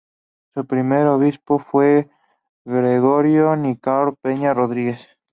Su primer obispo fue Gregorio Nicanor Peña Rodríguez.